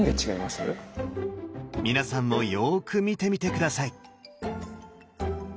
皆さんもよく見てみて下さい。